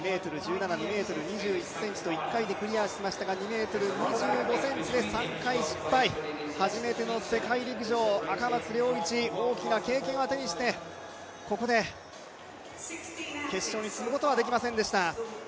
２ｍ１７、２ｍ２１ｃｍと１回でクリアしましたが２ｍ２５ｃｍで３回失敗、初めての世界陸上赤松諒一、大きな経験は手にしてここで決勝に進むことはできませんでした。